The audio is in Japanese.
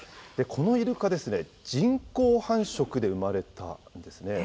このイルカ、人工繁殖で産まれたんですね。